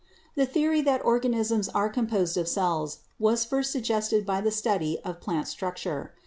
"The theory that organisms are composed of cells was first suggested by the study of plant structure.